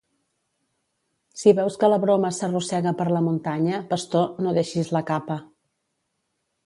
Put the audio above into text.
Si veus que la broma s'arrossega per la muntanya, pastor, no deixis la capa.